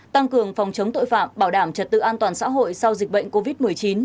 tăng cường phòng chống tội phạm bảo đảm trật tự an toàn xã hội sau dịch bệnh covid một mươi chín